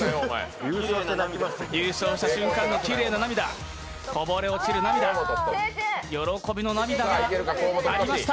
優勝した瞬間のきれいな涙、こぼれ落ちる涙、喜びの涙がありました。